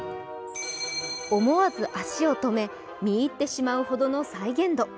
思わず足を止め、見入ってしまうほどの再現度。